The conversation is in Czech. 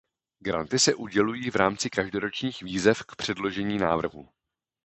Granty se udělují v rámci každoročních výzev k předložení návrhů.